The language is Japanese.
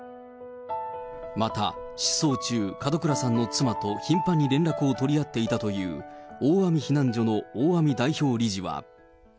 また失踪中、門倉さんの妻と頻繁に連絡を取り合っていたという、おーあみ避難所の大網代表理事は。